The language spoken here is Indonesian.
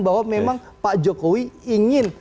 bahwa memang pak jokowi ingin